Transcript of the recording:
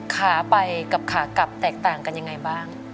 ขาไปกับขากลับแตกต่างกันยังไงบ้าง